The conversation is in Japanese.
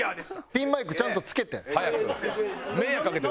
ピンマイクちゃんと付けて。